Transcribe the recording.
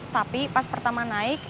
tapi pas pertama naik